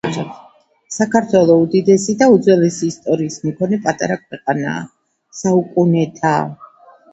საქართველო უდიდესი და უძველესი ისტორიის მქონე პატარა ქვეყანაა. საუკუნეთა